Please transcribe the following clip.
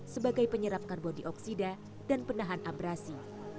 sebagai penyerap karbodioksida dan penahan abrasi